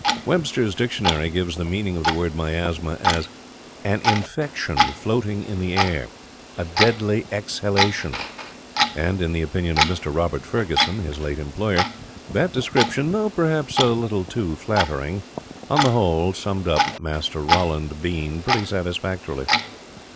Webster's Dictionary gives the meaning of the word 'miasma' as 'an infection floating in the air; a deadly exhalation'; and, in the opinion of Mr Robert Ferguson, his late employer, that description, though perhaps a little too flattering, on the whole summed up Master Roland Bean pretty satisfactorily.